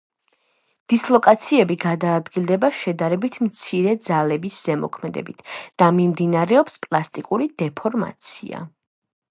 დისლოკაციები გადაადგილდება შედარებით მცირე ძალების ზემოქმედებით და მიმდინარეობს პლასტიკური დეფორმაცია.